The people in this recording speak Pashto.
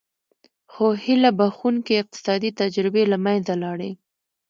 خو هیله بښوونکې اقتصادي تجربې له منځه لاړې.